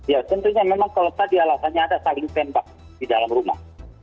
ya tentunya memang kalau tadi alasannya ada saling tembak di dalam rumah